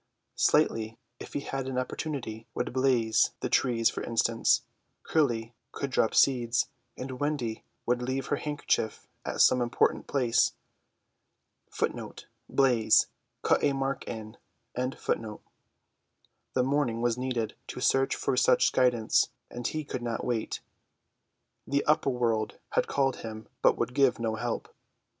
Slightly, if he had an opportunity, would blaze the trees, for instance, Curly would drop seeds, and Wendy would leave her handkerchief at some important place. The morning was needed to search for such guidance, and he could not wait. The upper world had called him, but would give no help.